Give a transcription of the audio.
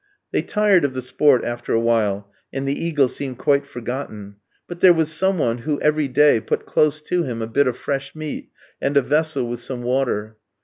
They tired of the sport after a while, and the eagle seemed quite forgotten; but there was some one who, every day, put close to him a bit of fresh meat and a vessel with some water.